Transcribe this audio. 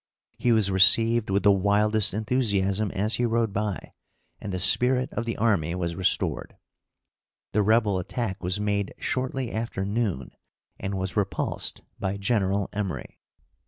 He was received with the wildest enthusiasm as he rode by, and the spirit of the army was restored. The rebel attack was made shortly after noon, and was repulsed by General Emory.